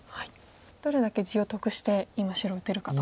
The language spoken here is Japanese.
どれだけ地を得して今白打てるかと。